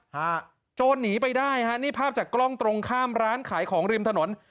โจรหนีไปได้ฮะนี่ภาพจากกล้องตรงข้ามร้านขายของริมถนน